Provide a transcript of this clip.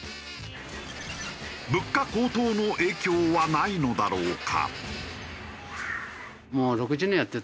物価高騰の影響はないのだろうか？